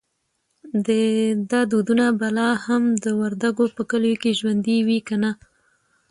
دا دودونه به لا هم د وردګو په کلیو کې ژوندی وي که نه؟